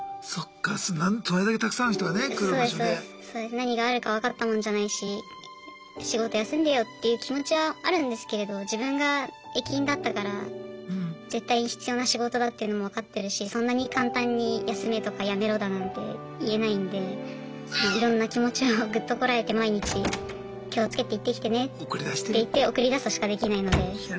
何があるか分かったもんじゃないし仕事休んでよっていう気持ちはあるんですけれど自分が駅員だったから絶対必要な仕事だっていうのも分かってるしそんなに簡単に休めとか辞めろだなんて言えないんでいろんな気持ちをぐっとこらえて毎日気をつけて行ってきてねって言って送り出すしかできないので。